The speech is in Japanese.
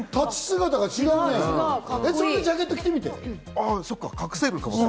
その上にジャケット着てみて？